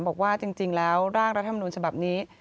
บอกว่าจริงแล้วร่างรัฐมนุนฉบับนี้